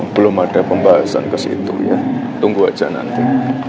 belum ada pembahasan ke situ ya tunggu aja nanti